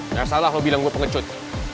gak salah lu bilang gue pengecut